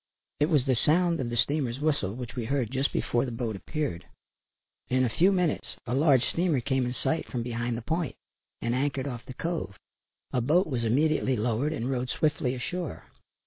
It was the sound of the steamer's whistle which we heard just before the boat appeared. In a few minutes a large steamer came in sight from behind the point and anchored off the cove. A boat was immediately lowered and rowed swiftly ashore.